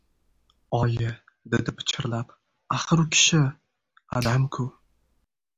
Oyi... - dedi pichirlab. - Axir u kishi... adam-ku...